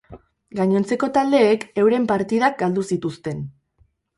Gainontzeko taldeek euren partidak galdu zituzten.